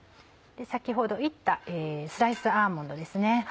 先ほど炒ったスライスアーモンドですね。